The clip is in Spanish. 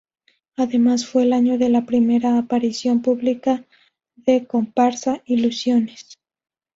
Además fue el año de la primera aparición pública de Comparsa Ilusiones.